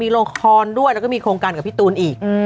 ลงคอนด้วยแล้วก็มีโครงการกับพี่ตูนอีก